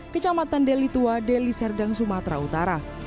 kecamatan deli tua deli serdang sumatera utara